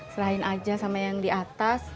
selain aja sama yang di atas